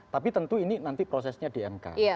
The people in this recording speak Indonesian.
tapi tentu ini nanti prosesnya di mk